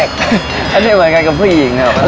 กะเทิร์นเหมือนกันกับผู้หญิงนะครับ